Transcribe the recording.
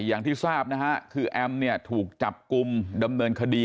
อย่างที่ทราบนะฮะคือแอมเนี่ยถูกจับกลุ่มดำเนินคดี